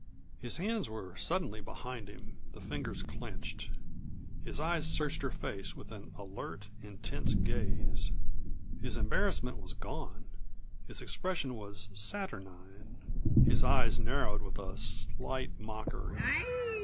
His hands were suddenly behind him, the fingers clenched. His eyes searched her face with an alert, intense gaze. His embarrassment was gone; his expression was saturnine, his eyes narrowed with a slight mockery.